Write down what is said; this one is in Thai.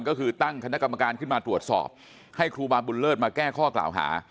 ก็คือตั้งคณะกรรมการขึ้นมาตรวจสอบให้ครูบาบุญเลิศมาแก้ข้อกล่าวหา